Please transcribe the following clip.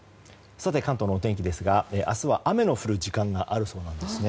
さて、関東のお天気ですが明日は雨の降る時間があるそうなんですね。